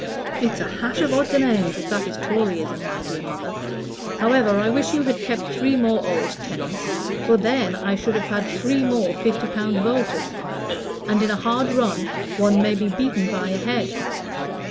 "It's a hash of odds and ends, if that is Toryism, my dear mother. However, I wish you had kept three more old tenants; for then I should have had three more fifty pound voters. And, in a hard run, one may be beaten by a head.